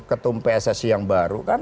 ketum pssi yang baru kan